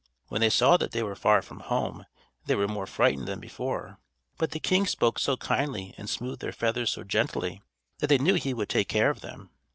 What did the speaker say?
When they saw that they were far from home, they were more frightened than before; but the king spoke so kindly and smoothed their feathers so gently, that they knew he would take care of them.